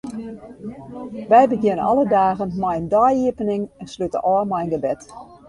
Wy begjinne alle dagen mei in dei-iepening en slute ôf mei in gebed.